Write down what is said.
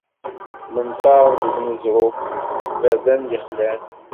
Ttmenṭaren deg uneẓruf, deg yiberdan yexlan.